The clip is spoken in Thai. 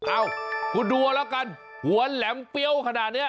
อ้าวถูดดัวลอกันกวนแหลมเปี้ยวขนาดนี้